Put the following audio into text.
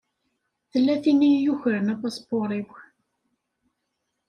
Tella tin i yukren apaspuṛ-iw.